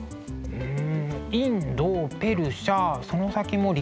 うん。